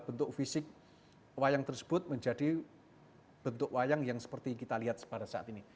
bentuk fisik wayang tersebut menjadi bentuk wayang yang seperti kita lihat pada saat ini